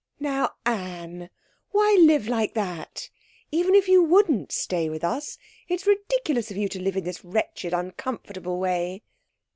'Now, Anne, why live like that? Even if you wouldn't stay with us, it's ridiculous of you to live in this wretched, uncomfortable way.'